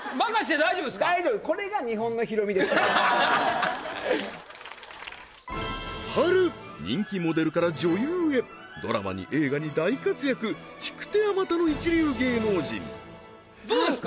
大丈夫波瑠人気モデルから女優へドラマに映画に大活躍引く手あまたの一流芸能人どうですか？